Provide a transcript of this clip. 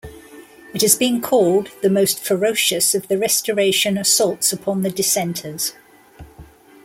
It has been called "the most ferocious of the Restoration assaults upon the dissenters".